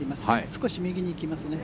少し右に行きますね。